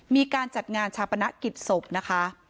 มีการจัดงานชาปนกิจศพนะคะ